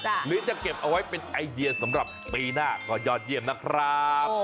หรือจะเก็บเอาไว้เป็นไอเดียสำหรับปีหน้าก็ยอดเยี่ยมนะครับ